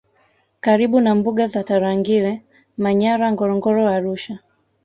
karibu na mbuga za Tarangire Manyara Ngorongoro Arusha